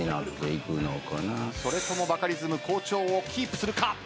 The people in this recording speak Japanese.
それともバカリズム好調をキープするか。